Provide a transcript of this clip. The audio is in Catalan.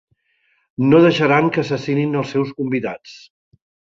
No deixaran que assassinin els seus convidats.